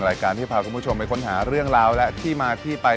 รายการที่พาคุณผู้ชมไปค้นหาเรื่องราวและที่มาที่ไป